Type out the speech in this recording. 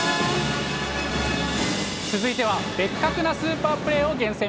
続いては、ベッカクなスーパープレーを厳選！